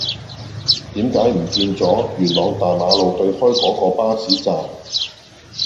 點解唔見左元朗大橋路對開嗰個巴士站